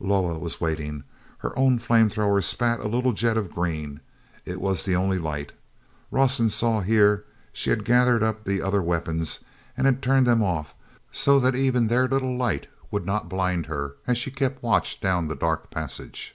Loah was waiting. Her own flame thrower spat a little jet of green; it was the only light. Rawson saw here she had gathered up the other weapons and had turned them off so that even their little light would not blind her as she kept watch down the dark passage.